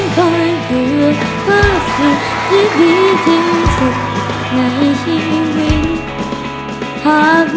ขอบคุณที่รักกันครับ